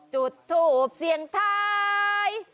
จุดถูบเสียงไทย